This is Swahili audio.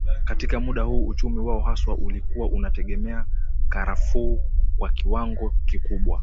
Katika muda huu uchumi wao haswa ulikuwa unategemea karufuu kwa kiwango kikubwa